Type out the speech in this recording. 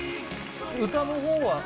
歌の方は？